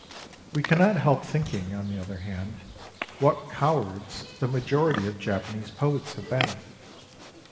We cannot help thinking, on the other hand, what cowards the majority of Japanese poets have been.